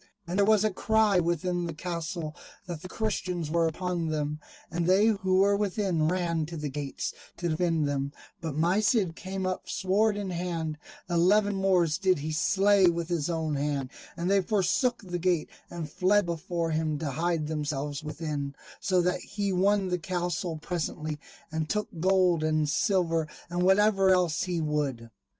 And there was a cry within the castle that the Christians were upon them, and they who were within ran to the gates to defend them, but my Cid came up sword in hand; eleven Moors did he slay with his own hand, and they forsook the gate and fled before him to hide themselves within, so that he won the castle presently, and took gold and silver, and whatever else he would.